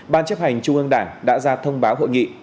ban chấp hành trung ương đảng đã ra thông báo hội nghị